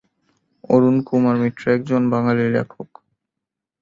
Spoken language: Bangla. অরুণকুমার মিত্র একজন বাঙালি লেখক।